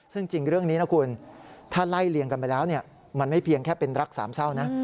ซึ่งจริงเรื่องนี้นะคุณถ้าไล่เลี่ยงกันไปแล้วมันไม่เพียงแค่เป็นรักสามเศร้านะ